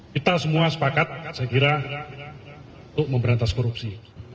kita semua sepakat saya kira untuk memberantas korupsi